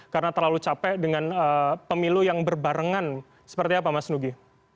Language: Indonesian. karena terlalu capek dengan pemilu yang berbarengan seperti apa mas nugi